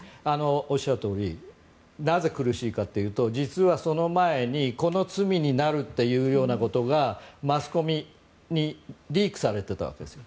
おっしゃるとおりなぜ苦しいかというと実は、その前にこの罪になるというようなことがマスコミにリークされていたわけですよ。